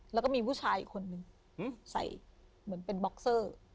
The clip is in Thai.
แล้วก็มีผู้ชายอีกคนนึงใส่เหมือนเป็นบ็อกเซอร์